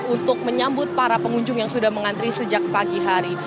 untuk menyambut para pengunjung yang sudah mengantri sejak pagi hari